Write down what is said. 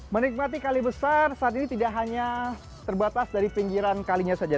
menikmati kali besar saat ini tidak hanya terbatas dari pinggiran kalinya saja